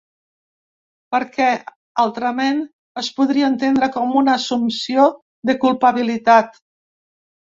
Perquè, altrament, es podria entendre com una assumpció de culpabilitat.